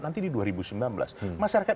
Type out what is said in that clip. nanti di dua ribu sembilan belas masyarakat